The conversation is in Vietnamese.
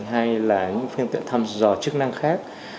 hay là những phương tiện thăm dò chức năng khác